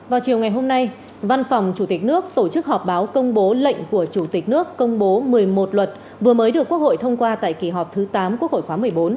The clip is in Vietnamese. vào chiều ngày hôm nay văn phòng chủ tịch nước tổ chức họp báo công bố lệnh của chủ tịch nước công bố một mươi một luật vừa mới được quốc hội thông qua tại kỳ họp thứ tám quốc hội khóa một mươi bốn